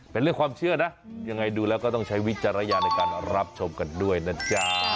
เป็นเรื่องความเชื่อนะยังไงดูแล้วก็ต้องใช้วิจารณญาณในการรับชมกันด้วยนะจ๊ะ